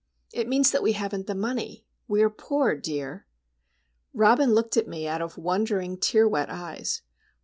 "It means that we haven't the money. We are poor, dear." Robin looked at me out of wondering tear wet eyes.